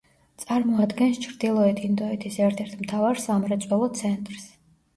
წარმოადგენს ჩრდილოეთ ინდოეთის ერთ-ერთ მთავარ სამრეწველო ცენტრს.